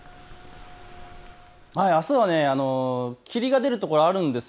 あすは霧が出るところがあるんです。